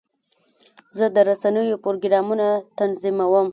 زه د رسنیو پروګرامونه تنظیموم.